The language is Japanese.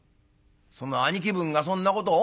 「その兄貴分がそんなことを？